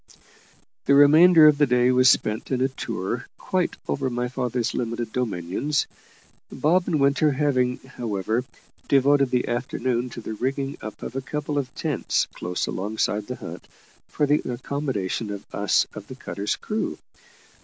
The remainder of the day was spent in a tour quite over my father's limited dominions, Bob and Winter having, however, devoted the afternoon to the rigging up of a couple of tents close alongside the hut, for the accommodation of us of the cutter's crew.